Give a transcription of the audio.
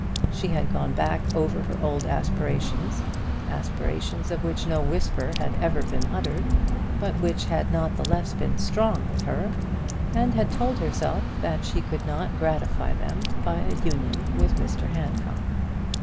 She had gone back over her old aspirations, aspirations of which no whisper had ever been uttered, but which had not the less been strong within her, and had told herself that she could not gratify them by a union with Mr Handcock.